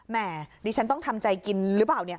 แม่ดิฉันต้องทำใจกินหรือเปล่า